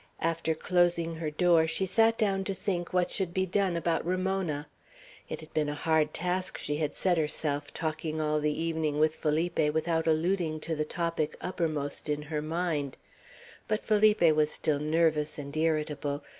After closing her door, she sat down to think what should be done about Ramona. It had been a hard task she had set herself, talking all the evening with Felipe without alluding to the topic uppermost in her mind. But Felipe was still nervous and irritable.